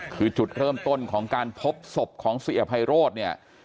คือจุดเริ่มต้นของการพบศพของเสียไพโรธเนี่ย